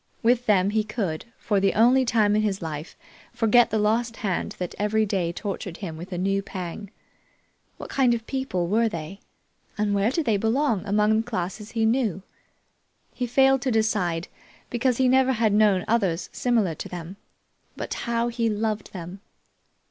With them he could, for the only time in his life, forget the lost hand that every day tortured him with a new pang. What kind of people were they and where did they belong among the classes he knew? He failed to decide, because he never had known others similar to them; but how he loved them!